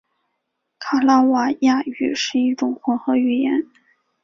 卡拉瓦亚语是一种混合语言。